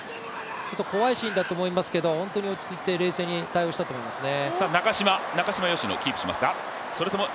怖いシーンだと思いますけど本当に落ち着いて冷静に対応したと思いますよね。